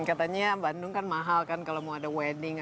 katanya bandung kan mahal kan kalau mau ada wedding